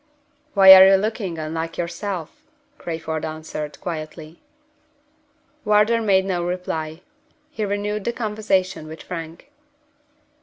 "Why are you looking unlike yourself?" Crayford answered, quietly. Wardour made no reply. He renewed the conversation with Frank.